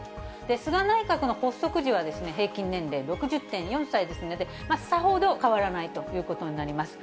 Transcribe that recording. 菅内閣の発足時は、平均年齢６０．４歳ですので、さほど変わらないということになります。